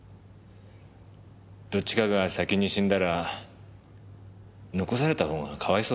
どっちかが先に死んだら残された方がかわいそうだ。